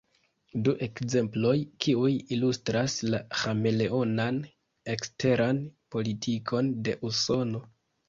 Du ekzemploj, kiuj ilustras la ĥameleonan eksteran politikon de Usono.